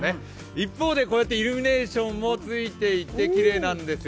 一方でこうやってイルミネーションもついていて、きれいなんですよ。